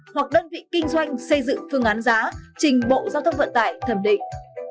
hoặc đơn vị kinh doanh xây dựng phương án giá trình bộ giao thông vận tải thẩm định